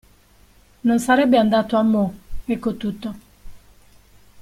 Non sarebbe andato a Meaux, ecco tutto.